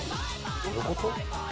どういうこと？